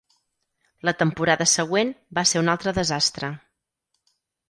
La temporada següent va ser un altre desastre.